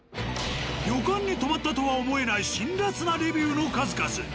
旅館に泊まったとは思えない辛辣なレビューの数々。